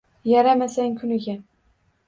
Yaramasang kuniga.